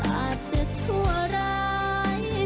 อาจจะชั่วร้าย